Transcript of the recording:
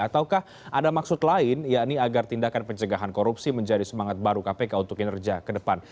ataukah ada maksud lain yakni agar tindakan pencegahan korupsi menjadi semangat baru kpk untuk kinerja ke depan